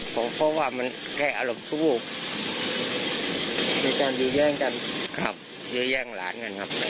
ผมเพราะว่ามันแค่อร่องชูบูกมีการยื้อย่างกันครับยื้อย่างหลานกันครับ